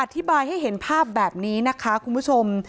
อธิบายให้เห็นภาพแบบนี้นะคะคุณผู้ชม